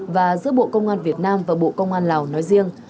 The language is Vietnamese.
và giữa bộ công an việt nam và bộ công an lào nói riêng